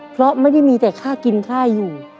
เพราะไม่ได้มีแต่ค่ากินค่าอยู่